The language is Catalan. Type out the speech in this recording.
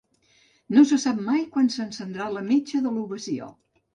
No se sap mai quan s'encendrà la metxa de l'ovació.